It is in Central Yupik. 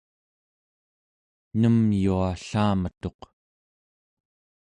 nem yua ellametuq